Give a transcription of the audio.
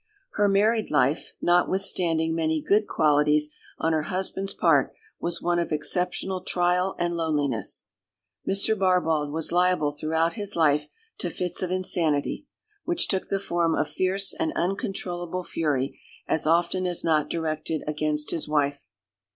Her married life, notwithstanding many good qualities on her husband's part, was one of exceptional trial and loneliness. Mr. Barbauld was liable throughout his life to fits of insanity, which took the form of fierce and uncontrollable fury as often as not directed against his wife.